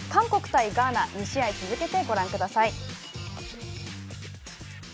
対ガーナ２試合、続けてご覧ください。